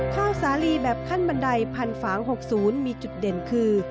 ข้าวสาลีแบบขั้นบันไดพันฝาง๖๐มีจุดเด่นคือ